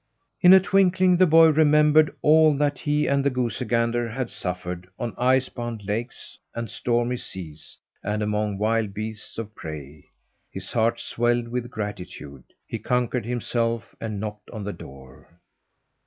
In a twinkling the boy remembered all that he and the goosey gander had suffered on ice bound lakes and stormy seas and among wild beasts of prey. His heart swelled with gratitude; he conquered himself and knocked on the door.